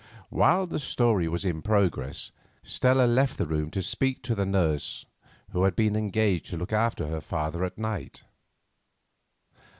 While this story was in progress Stella left the room to speak to the nurse who had been engaged to look after her father at night.